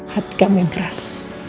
hat kami keras